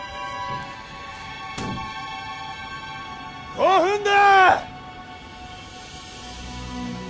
５分だ！